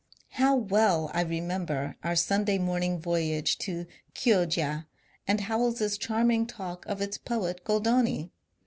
How well I remember our Sun day morning voyage to Chioggia and Howells's charming talk of its poet, Goldoni